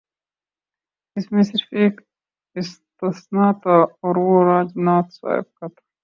اس میں صرف ایک استثنا تھا اور وہ راج ناتھ صاحب کا تھا۔